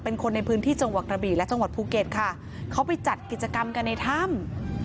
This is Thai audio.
เป็นคนในพื้นที่จังหวัดกระบีและจังหวัดภูเก็ตค่ะเขาไปจัดกิจกรรมกันในถ้ำ